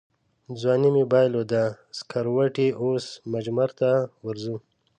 ځواني مې بایلوده سکروټې اوس مجمرته ورځو